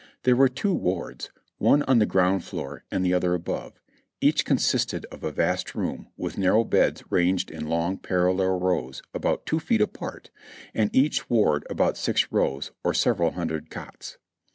There were two wards, one on the ground floor and the other above; each con sisted of a vast room with narrow beds ranged in long, parallel rows about two feet apart, and each ward about six rows, or sev eral hundred cots.